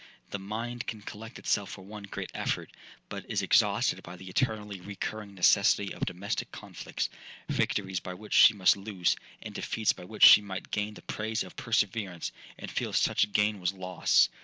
The mind can collect itself for one great effort, but it is exhausted by the eternally recurring necessity of domestic conflicts,—victories by which she must lose, and defeats by which she might gain the praise of perseverance, and feel such gain was loss.